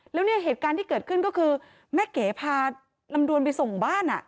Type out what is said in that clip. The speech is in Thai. แล้วเนี่ยเหตุการณ์ที่เกิดขึ้นก็คือแม่เก๋พาลำดวนไปส่งบ้าน